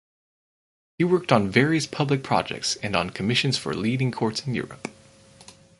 He worked on various public projects and on commissions for leading courts in Europe.